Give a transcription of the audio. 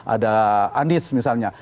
ada anies misalnya